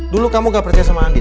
dulu kamu gak percaya sama andi